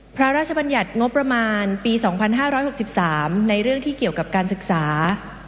พระราชบัญญัติงบประมาณปีสองพันห้าร้อยหกสิบสามในเรื่องที่เกี่ยวกับการศึกษา